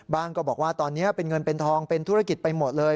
ก็บอกว่าตอนนี้เป็นเงินเป็นทองเป็นธุรกิจไปหมดเลย